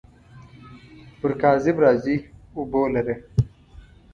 پر کاذب راځي اوبو لره.